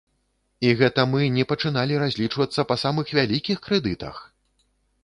І гэта мы не пачыналі разлічвацца па самых вялікіх крэдытах!